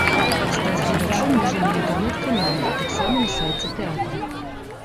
Стаць гледачом можна на інтэрнэт-канале, а таксама на сайце тэатра.